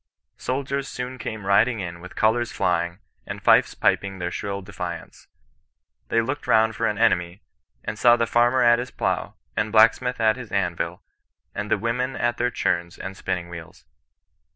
Soldiers soon came riding in with colours flying, and fifes piping their shrill defiance. They looked round for an enemy, and saw the farmer at his plough, the blacksmith at his anvil, and the women at their churns and spinning wheels.